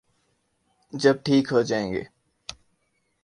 جب ٹھیک ہو جائیں گے۔